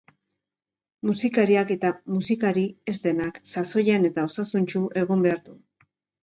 Musikariak eta musikari ez denak sasoian eta osasuntsu egon behar du.